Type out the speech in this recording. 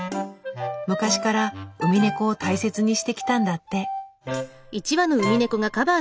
昔からウミネコを大切にしてきたんだって。